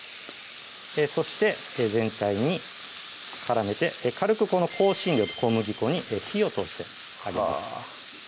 そして全体に絡めて軽くこの香辛料と小麦粉に火を通してあげます